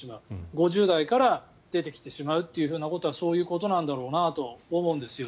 ５０代から出てきてしまうということはそういうことなんだろうなと思うんですよ。